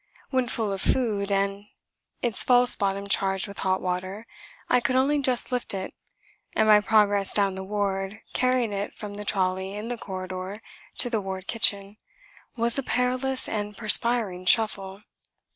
When full of food, and its false bottom charged with hot water, I could only just lift it, and my progress down the ward, carrying it from the trolley in the corridor to the ward kitchen, was a perilous and perspiring shuffle.